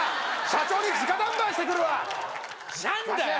社長に直談判してくるわ何だよ